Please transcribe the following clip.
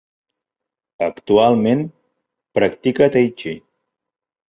Actualment practica tai-txi.